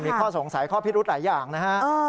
มีข้อสงสัยข้อพิรุธหลายอย่างนะฮะ